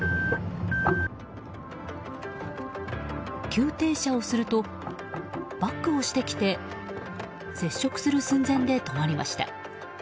急停車をするとバックをしてきて接触する寸前で止まりました。